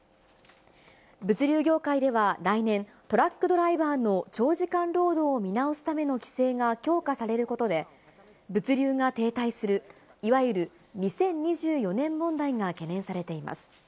物流業界では来年、トラックドライバーの長時間労働を見直すための規制が強化されることで、物流が停滞する、いわゆる２０２４年問題が懸念されています。